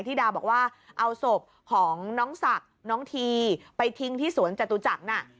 ที่ดาบอกว่าเอาศพของน้องศักดิ์น้องทีไปทิ้งที่สวนจตุจักรน่ะ